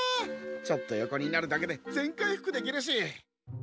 ちょっと横になるだけで全回復できるし。